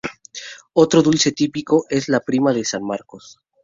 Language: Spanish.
Otro dulce típico es la prima de San Marcos.